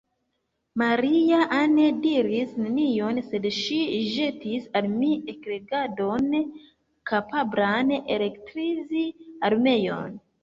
Maria-Ann diris nenion; sed ŝi ĵetis al mi ekrigardon, kapablan elektrizi armeon.